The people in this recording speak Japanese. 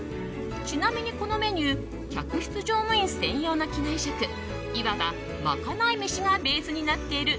ちなみに、このメニュー客室乗務員専用の機内食いわば、まかないメシがベースになっている